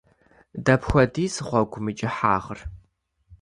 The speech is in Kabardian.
Дапхуэдиз гъуэгум и кӏыхьагъыр?